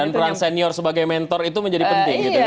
dan peran senior sebagai mentor itu menjadi penting